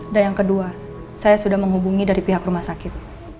yang kedua saya sudah menghubungi dari pihak rumah sakit